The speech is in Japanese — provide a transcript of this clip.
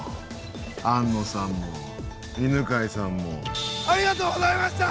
安野さんも犬飼さんもありがとうございました！